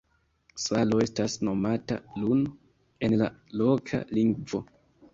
Salo estas nomata "Lun" en la loka lingvo.